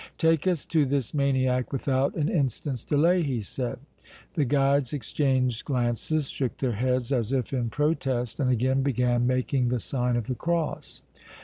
"Take us to this maniac without an instant's delay!" he said. The guides exchanged glances, shook their heads as if in protest and again began making the sign of the cross.